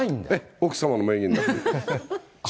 奥様の名義になっています。